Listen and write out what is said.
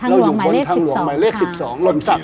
ทางหลวงหมายเลข๑๒ค่ะ